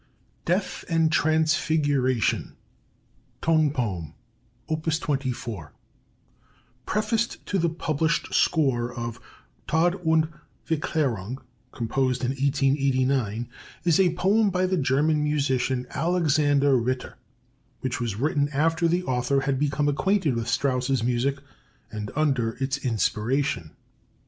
"DEATH AND TRANSFIGURATION," TONE POEM: Op. 24 Prefaced to the published score of Tod und Verklärung (composed in 1889) is a poem by the German musician Alexander Ritter, which was written after the author had become acquainted with Strauss's music, and under its inspiration.